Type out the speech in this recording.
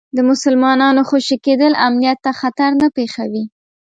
د مسلمانانو خوشي کېدل امنیت ته خطر نه پېښوي.